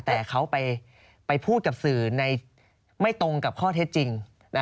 แต่เขาไปพูดกับสื่อไม่ตรงกับข้อเท็จจริง